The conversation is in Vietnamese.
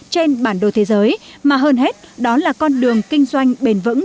trên bản đồ thế giới mà hơn hết đó là con đường kinh doanh bền vững